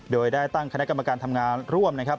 โดยได้ตั้งคณะกรรมการทำงานร่วมนะครับ